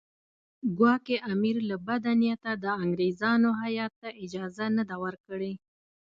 ګواکې امیر له بده نیته د انګریزانو هیات ته اجازه نه ده ورکړې.